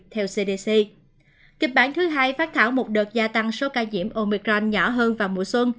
theo cdc kịch bản thứ hai phát thảo một đợt gia tăng số ca nhiễm omicron nhỏ hơn vào mùa xuân